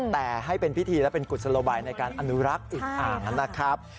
แต่ให้เป็นพิธีและเป็นกุศโลบายในการอนุรักษ์อีกอ่างนะครับ